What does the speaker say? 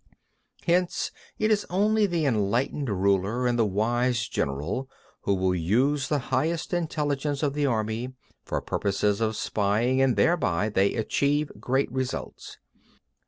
27. Hence it is only the enlightened ruler and the wise general who will use the highest intelligence of the army for purposes of spying and thereby they achieve great results.